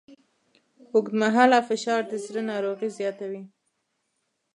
اوږدمهاله فشار د زړه ناروغۍ زیاتوي.